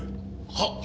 はっ。